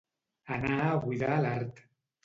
Anar a buidar l'art.